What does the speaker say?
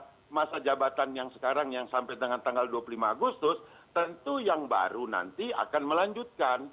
pada masa jabatan yang sekarang yang sampai dengan tanggal dua puluh lima agustus tentu yang baru nanti akan melanjutkan